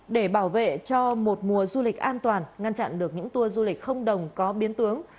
để bảo vệ cho một mùa du lịch an toàn ngăn chặn được những tour du lịch không đồng có biến tướng